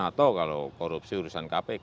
atau kalau korupsi urusan kpk